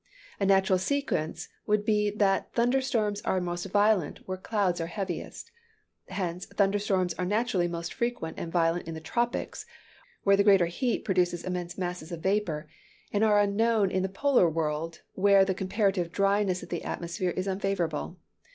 A natural sequence would be that thunder storms are most violent where clouds are heaviest. Hence, thunder storms are naturally most frequent and violent in the tropics, where the greater heat produces immense masses of vapor. and are unknown in the polar world, where the comparative dryness of the atmosphere is unfavorable.